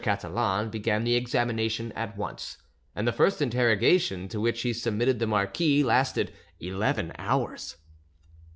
Catalan began the examination at once, and the first interrogation to which he submitted the marquis lasted eleven hours.